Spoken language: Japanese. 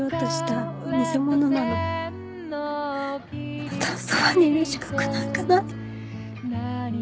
あなたのそばにいる資格なんかない。